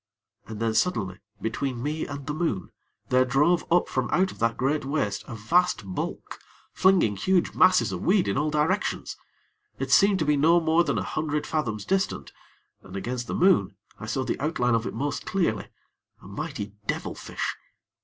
And then, suddenly, between me and the moon, there drove up from out of that great waste a vast bulk, flinging huge masses of weed in all directions. It seemed to be no more than a hundred fathoms distant, and, against the moon, I saw the outline of it most clearly a mighty devilfish.